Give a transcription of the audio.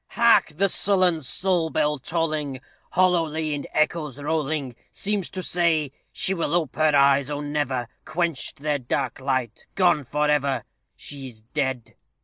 Hark! the sullen Soul bell tolling, Hollowly in echoes rolling, Seems to say "She will ope her eyes oh, never! Quenched their dark light gone for ever! She is dead."